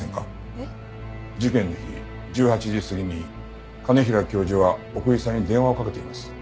えっ？事件の日１８時過ぎに兼平教授は奥居さんに電話をかけています。